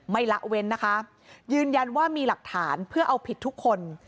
ละเว้นนะคะยืนยันว่ามีหลักฐานเพื่อเอาผิดทุกคน